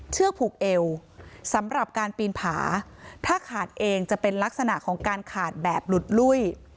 ผูกเอวสำหรับการปีนผาถ้าขาดเองจะเป็นลักษณะของการขาดแบบหลุดลุ้ย